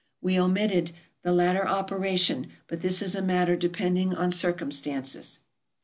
We omitted the latter operation, but this is a matter depending on cir cumstances.